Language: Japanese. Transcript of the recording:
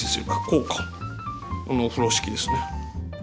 この風呂敷ですね。